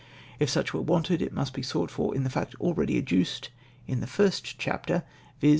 If such were wanted, it must be sought for in the fact already adduced in the hrst chapter, viz.